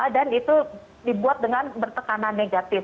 dan itu dibuat dengan bertekanan negatif